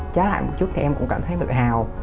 trá lại một chút thì em cũng cảm thấy mực hào